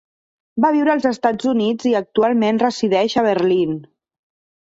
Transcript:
Va viure als Estats Units i actualment resideix a Berlín.